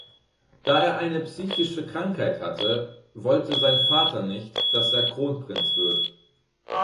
Da er eine psychische Krankheit hatte, wollte sein Vater nicht, dass er Kronprinz wird.